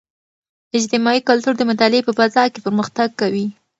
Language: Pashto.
اجتماعي کلتور د مطالعې په فضاء کې پرمختګ کوي.